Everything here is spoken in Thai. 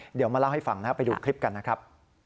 เดี๋ยวมาเล่าให้ฟังนะครับไปดูคลิปกันนะครับ